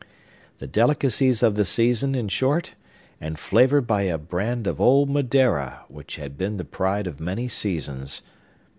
The delicacies of the season, in short, and flavored by a brand of old Madeira which has been the pride of many seasons.